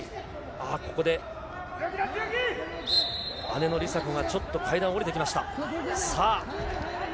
ここで姉の梨紗子がちょっと階段を下りてきました。